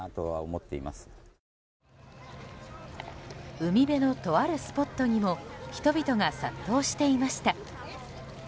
海辺のとあるスポットにも人々が殺到していました。